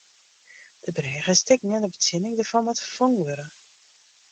De brêge is stikken en de betsjinning dêrfan moat ferfongen wurde.